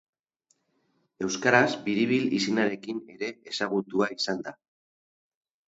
Euskaraz Biribil izenarekin ere ezagutua izan da.